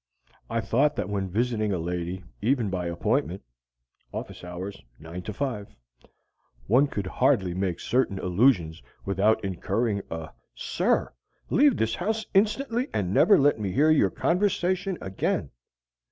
I thought that when visiting a lady, even by appointment (office hours: 9 5) one could hardly make certain allusions without incurring a "Sir! Leave this house instantly and never let me hear your conversation again!"